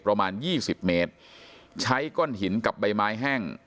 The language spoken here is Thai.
ประมาณยี่สิบเมตรใช้ก้อนหินกับใบไม้แห้ง